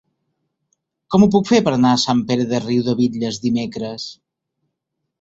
Com ho puc fer per anar a Sant Pere de Riudebitlles dimecres?